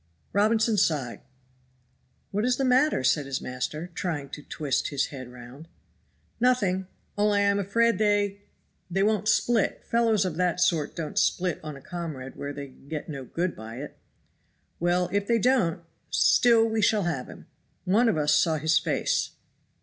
Robinson sighed. "What is the matter?" said his master, trying to twist his head round. "Nothing! only I am afraid they they won't split; fellows of that sort don't split on a comrade where they can get no good by it." "Well, if they don't, still we shall have him. One of us saw his face."